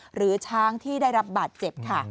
หรือช้างที่ได้รับบาดเจ็บค่ะ